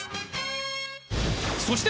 ［そして］